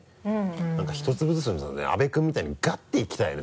何か１粒ずつよりも阿部君みたいにガッていきたいよね